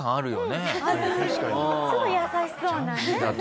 すごい優しそうなね。